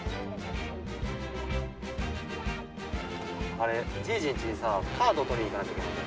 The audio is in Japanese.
あれじいじんちにさカード取りに行かなきゃいけないんだ。